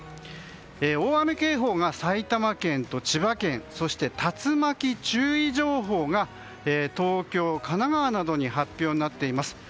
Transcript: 大雨警報が埼玉県と千葉県そして竜巻注意情報が東京、神奈川などに発表になっています。